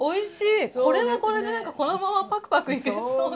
これはこれでなんかこのままパクパクいけそうな。